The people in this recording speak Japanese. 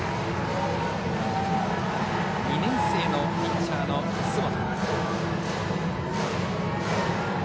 ２年生のピッチャーの楠本。